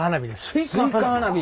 スイカ花火。